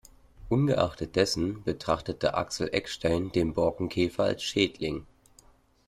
Ungeachtet dessen betrachtet Axel Eckstein den Borkenkäfer als Schädling.